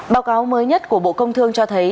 báo cáo mới nhất của bộ công thương cho thấy